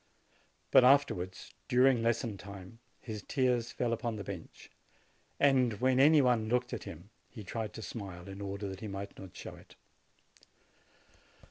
But afterwards, during lesson time, his tears fell upon the bench, and when any one looked at him, he tried to smile, in order that he might not show it.